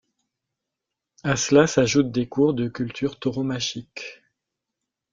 À cela s'ajoutent des cours de culture tauromachique.